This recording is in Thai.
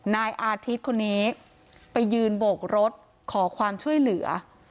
นายอาทิตย์คนนี้ไปยืนโบกรถขอความช่วยเหลือ